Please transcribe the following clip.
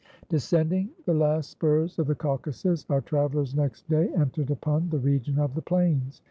Descending the last spurs of the Caucasus, our travellers next day entered upon the region of the plains.